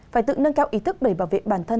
phải tự nâng cao ý thức để bảo vệ bản thân